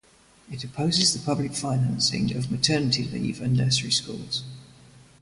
It opposes the public financing of maternity leave and nursery schools.